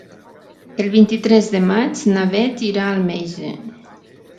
El vint-i-tres de maig na Bet irà al metge.